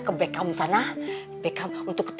keriput etah keriput